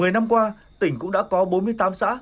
một mươi năm qua tỉnh cũng đã có bốn mươi tám xã